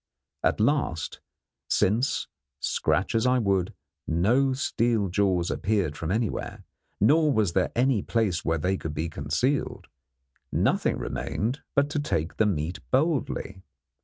At last, since, scratch as I would, no steel jaws appeared from anywhere, nor was there any place where they could be concealed, nothing remained but to take the meat boldly.